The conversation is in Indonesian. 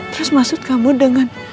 terus maksud kamu dengan